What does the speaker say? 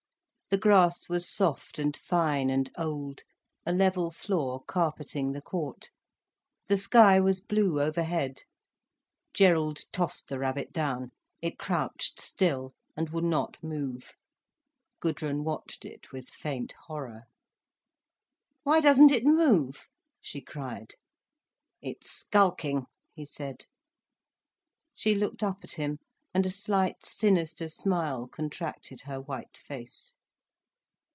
The grass was soft and fine and old, a level floor carpeting the court, the sky was blue overhead. Gerald tossed the rabbit down. It crouched still and would not move. Gudrun watched it with faint horror. "Why doesn't it move?" she cried. "It's skulking," he said. She looked up at him, and a slight sinister smile contracted her white face.